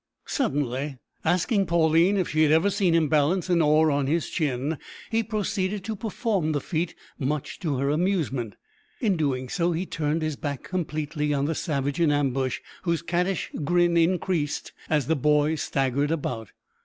Suddenly, asking Pauline if she had ever seen him balance an oar on his chin, he proceeded to perform the feat, much to her amusement. In doing so he turned his back completely on the savage in ambush, whose cattish grin increased as the boy staggered about.